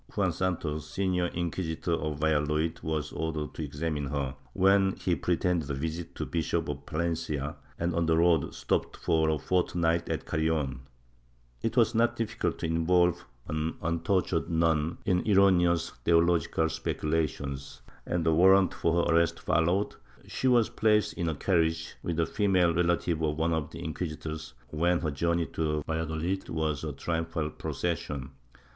Juan Santos, senior Inquisitor of Valladohd, was ordered to examine her, when he pretended a visit to the Bishop of Palencia and on the road stopped for a fortnight at Carrion, It was not difficult to involve an untu Chap. V] MADRE LUIS A DE CARRION 37 tored nun in erroneous theological speculations, and a warrant for her arrest followed ; she was placed in a carriage with a female relative of one of the inquisitors, when her journey to Valladolid was a triumphal procession.